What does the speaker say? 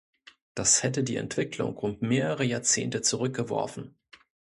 Das hätte die Entwicklung um mehrere Jahrzehnte zurückgeworfen.